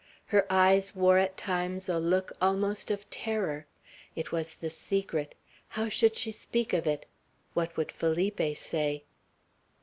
Her eyes wore at times a look almost of terror. It was the secret. How should she speak it? What would Felipe say?